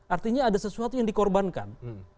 artinya ada sesuatu yang dikorbankan